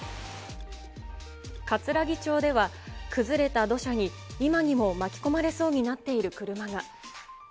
かつらぎ町では、崩れた土砂に今にも巻き込まれそうになっている車が。